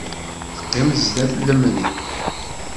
Teqqim sdat lemri.